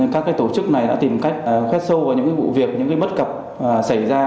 các tổ chức này đã tìm cách khoét sâu vào những vụ việc những bất cập xảy ra